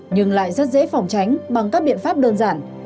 nhưng lại rất dễ phòng tránh bằng các biện pháp đơn giản